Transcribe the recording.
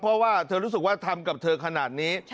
เพราะว่าเธอรู้สึกว่าทำกับเธอขนาดนี้